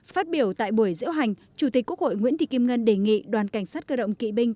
phát biểu tại buổi diễu hành chủ tịch quốc hội nguyễn thị kim ngân đề nghị đoàn cảnh sát cơ động kỵ binh